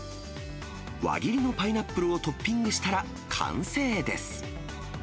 輪切りのパイナップルをトッピングしたら完成です。